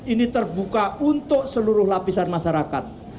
ini terbuka untuk seluruh lapisan masyarakat